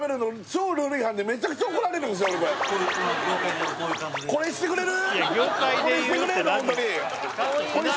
でもこれしてくれる？